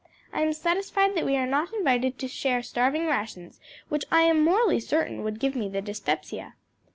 I am satisfied that we are not invited to share starving rations, which I am morally certain would give me the dyspepsia."